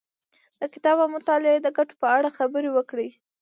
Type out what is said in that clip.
د کتاب او مطالعې د ګټو په اړه خبرې وکړې.